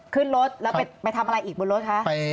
ขึ้นรถแล้วไปทำอะไรอีกบนรถคะ